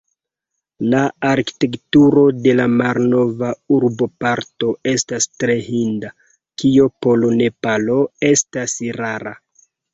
La arkitekturo de la malnova urboparto estas tre hinda, kio por Nepalo estas rara.